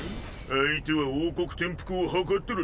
相手は王国転覆を謀っとる